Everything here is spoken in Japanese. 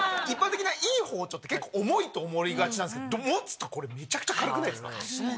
一般的ないい包丁って結構重いと思われがちなんですけど持つとこれめちゃくちゃ軽くないですか？